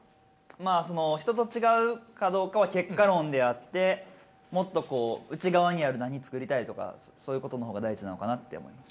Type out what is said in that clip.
まあその人と違うかどうかは結果論であってもっとこう内側にある何作りたいとかそういうことの方が大事なのかなって思います。